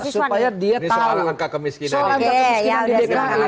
tahu ini soal angka kemiskinan